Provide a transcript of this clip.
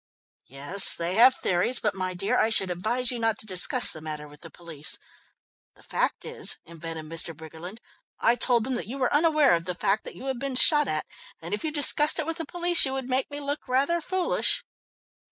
"Yes, they have theories, but my dear, I should advise you not to discuss the matter with the police. The fact is," invented Mr. Briggerland, "I told them that you were unaware of the fact that you had been shot at, and if you discussed it with the police, you would make me look rather foolish."